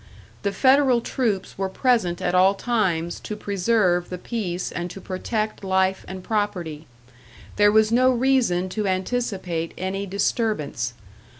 The Federal troops were present at all times to preserve the peace and to protect life and property. There was no reason to anticipate any disturbance.